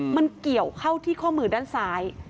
มันเกี่ยวเข้าที่ข้อมือด้านซ้าย